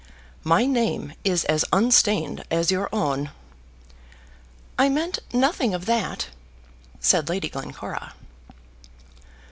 My name is as unstained as your own." "I meant nothing of that," said Lady Glencora.